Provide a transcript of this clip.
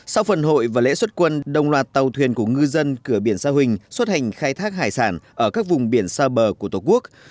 sau phần hội và lễ xuất quân đồng loạt tàu thuyền của ngư dân cửa biển sa huỳnh xuất hành khai thác hải sản ở các vùng biển xa bờ của tổ quốc